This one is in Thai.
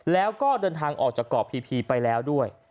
แล้วก็เดินทางออกจากเกาะพีไปแล้วด้วย